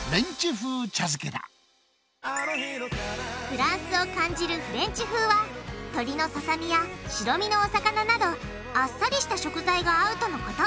フランスを感じるフレンチ風は鶏のささみや白身のお魚などあっさりした食材が合うとのこと。